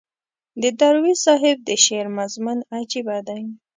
د درویش صاحب د شعر مضمون عجیبه دی.